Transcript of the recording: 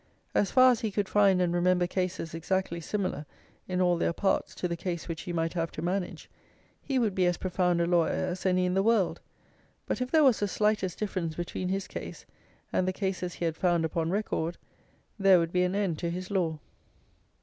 As far as he could find and remember cases exactly similar in all their parts to the case which he might have to manage, he would be as profound a lawyer as any in the world; but if there was the slightest difference between his case and the cases he had found upon record, there would be an end of his law.